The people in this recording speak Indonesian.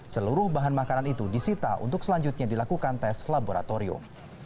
seluruh bahan makanan itu disita untuk selanjutnya dilakukan tes laboratorium